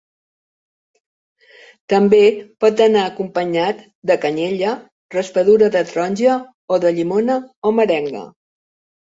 També pot anar acompanyat de canyella, raspadura de taronja o de llimona, o merenga.